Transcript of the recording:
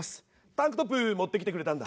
タンクトップ持ってきてくれたんだ。